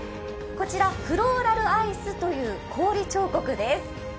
こちら、フローラルアイスという氷彫刻です。